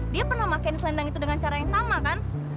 dia pernah makan selendang itu dengan cara yang sama kan